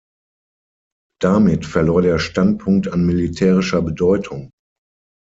Damit verlor der Standpunkt an militärischer Bedeutung.